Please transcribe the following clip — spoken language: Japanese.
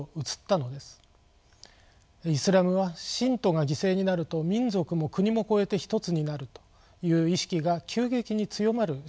イスラムは信徒が犠牲になると民族も国も超えて一つになるという意識が急激に強まる宗教です。